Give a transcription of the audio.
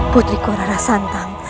putriku rara santang